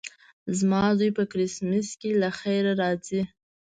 زما زوی په کرېسمس کې له خیره راځي.